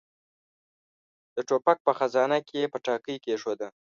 د ټوپک په خزانه کې يې پټاکۍ کېښوده.